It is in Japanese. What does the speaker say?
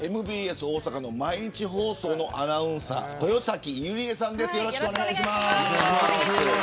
大阪の毎日放送のアナウンサー豊崎由里絵さんです。